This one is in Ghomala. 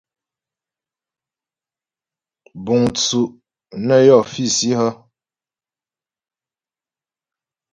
Búŋ tsú' nə́ yɔ́ físi hə́ ?